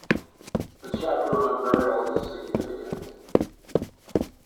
The chapter on burial is significant.